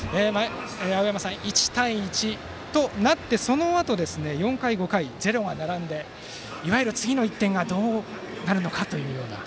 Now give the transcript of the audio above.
青山さん、１対１となってそのあと４回、５回はゼロが並んでいわゆる次の１点がどうなるのかという。